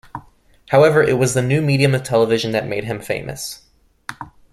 However, it was the new medium of television that made him famous.